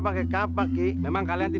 aku sudah berhenti